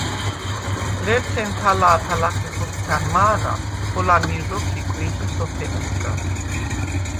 ლერთენ თა̄ლა̄ფა ლახე ხოქვთა̈ნ მა̄რა, ხოლა მირ როქვ იკვიჰი სოფელისგა.